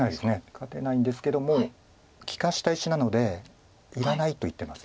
勝てないんですけども利かした石なのでいらないと言ってます